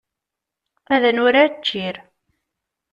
Ad nurar ččir.